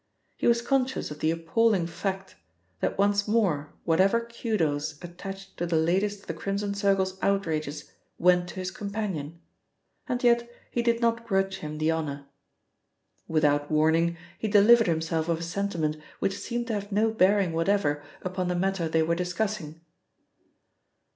He was conscious of the appalling fact that once more whatever kudos attached to the latest of the Crimson Circle's outrages went to his companion, and yet he did not grudge him the honour. Without warning he delivered himself of a sentiment which seemed to have no bearing whatever upon the matter they were discussing.